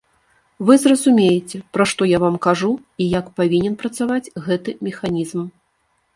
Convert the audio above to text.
Вы зразумееце, пра што я вам кажу і як павінен працаваць гэты механізм.